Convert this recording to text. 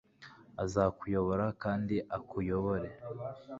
azakuyobora kandi akuyobore